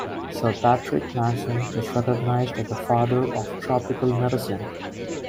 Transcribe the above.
Sir Patrick Manson is recognised as the Father of Tropical Medicine.